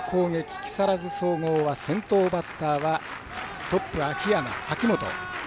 木更津総合は先頭バッターはトップ、秋元。